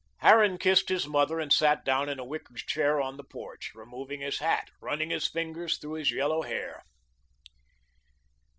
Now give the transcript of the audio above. Harran kissed his mother and sat down in a wicker chair on the porch, removing his hat, running his fingers through his yellow hair.